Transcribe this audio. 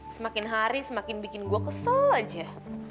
semakin hari semakin bikin gue kesel aja